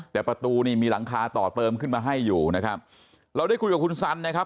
แต่ประตูนี่มีหลังคาต่อเติมขึ้นมาให้อยู่นะครับเราได้คุยกับคุณสันนะครับ